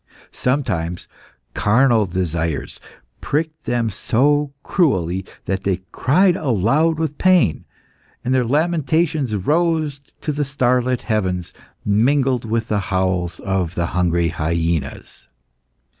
Sometimes carnal desires pricked them so cruelly that they cried aloud with pain, and their lamentations rose to the starlit heavens mingled with the howls of the hungry hyaenas.